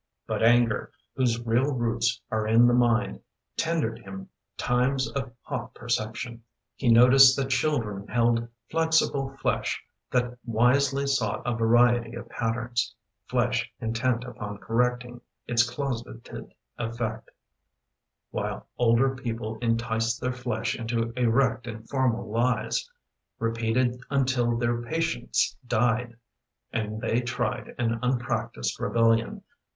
But anger, whose real roots are in the mind. Tendered him times of hot perception. He noticed that children held flexible flesh That wisely sought a variety of patterns — Flesh intent upon correcting Its closeted effect — While older people enticed their flesh Into erect and formal lies Repeated until their patience died And they tried an unpracticed rebellion.